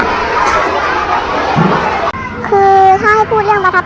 น้องน้องได้อยู่ทั้งส่วน